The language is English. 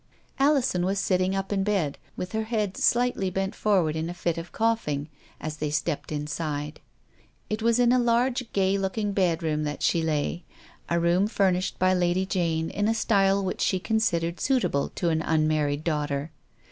Alison was sitting up in bed, with her head slightly bent forward in a fit of coughing, as they stepped inside. It was in a large, gay looking bedroom that she lay ; a room fur nished by Lady Jane in a style which she considered suitable to an unmarried daughter.